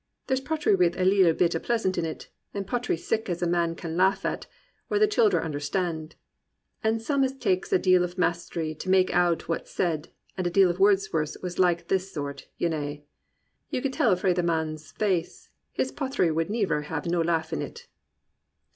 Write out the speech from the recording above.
There's potry wi' a li'le bit pleasant in it, and potry sic as a man can laugh at or the childer understand, and some as takes a deal of mastery to make out what's said, and a deal of Wordsworth's was this sort, ye kna. You could tell fra the man's faace his potry would niver have no laugh in it.